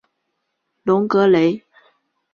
隆格雷。